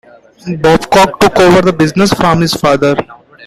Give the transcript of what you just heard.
Babcock took over the business from his father.